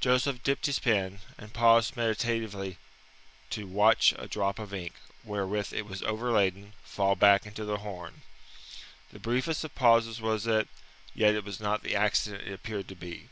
Joseph dipped his pen, and paused meditatively to watch a drop of ink, wherewith it was overladen, fall back into the horn. The briefest of pauses was it, yet it was not the accident it appeared to be.